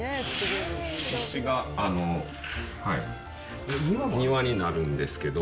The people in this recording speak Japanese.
こっちが庭になるんですけれども。